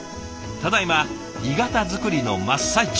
ただいま鋳型作りの真っ最中。